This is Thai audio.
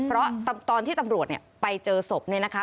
เพราะตอนที่ตำรวจไปเจอศพเนี่ยนะคะ